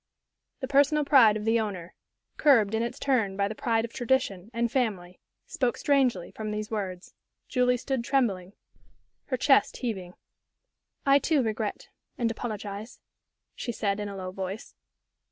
The personal pride of the owner, curbed in its turn by the pride of tradition and family, spoke strangely from these words. Julie stood trembling, her chest heaving. "I, too, regret and apologize," she said, in a low voice.